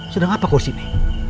sedang apa kau sini